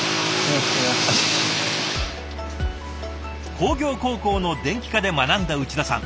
工業高校の電気科で学んだ内田さん。